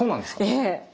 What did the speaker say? ええ。